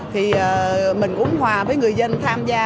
thì mình cũng hòa với người dân tham gia